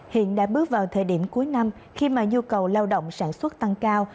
hiện đã bước vào thời điểm cuối năm khi mà nhu cầu lao động sản xuất tăng cao